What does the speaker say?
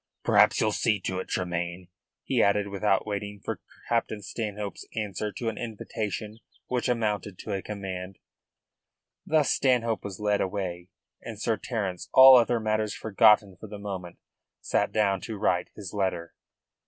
"Perhaps you'll see to it, Tremayne," he added, without waiting for Captain Stanhope's answer to an invitation which amounted to a command. Thus Stanhope was led away, and Sir Terence, all other matters forgotten for the moment, sat down to write his letter.